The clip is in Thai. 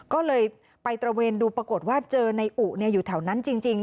ก็เลยไปตระเวนดูปรากฏว่าเจอในอุอยู่แถวนั้นจริง